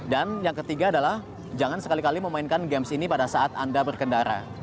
dan yang ketiga adalah jangan sekali kali memainkan game ini pada saat anda berkendara